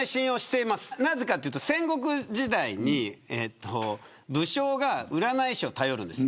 なぜかというと戦国時代に武将が占い師を頼るんです。